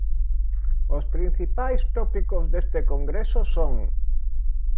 Os principais tópicos deste Congreso son: